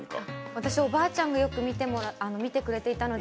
私、おばあちゃんがよく見てくれていたので。